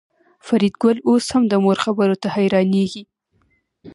فریدګل اوس هم د مور خبرو ته حیرانېږي